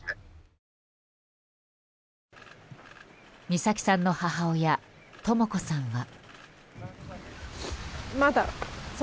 美咲さんの母親とも子さんは。